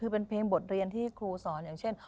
คือเป็นเพลงบทเรียนที่ครูสอนอย่างเช่น